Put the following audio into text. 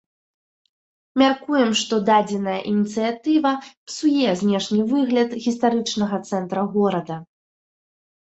Мяркуем, што дадзеная ініцыятыва псуе знешні выгляд гістарычнага цэнтра горада.